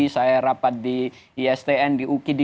saya rapat di istn di ukid